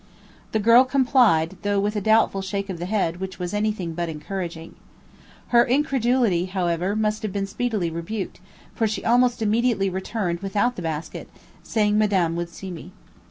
The girl complied, though with a doubtful shake of the head which was anything but encouraging. Her incredulity, however, must have been speedily rebuked, for she almost immediately returned without the basket, saying Madame would see me.